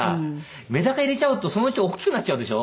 メダカ入れちゃうとそのうちおっきくなっちゃうでしょ？